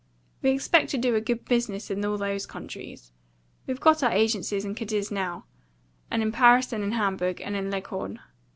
"We expect to do a good business in all those countries. We've got our agencies in Cadiz now, and in Paris, and in Hamburg, and in Leghorn.